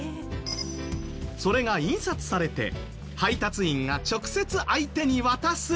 それが印刷されて配達員が直接相手に渡すというサービス。